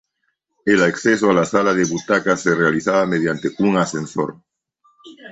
El acceso a la sala de butacas se realizaba mediante un ascensor.